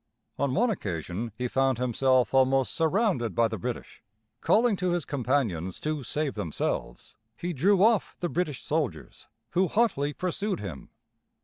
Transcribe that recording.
On one occasion he found himself almost surrounded by the British. Calling to his companions to save themselves, he drew off the British soldiers, who hotly pursued him.